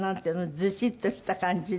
ズシッとした感じで。